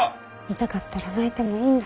痛かったら泣いてもいいんだ。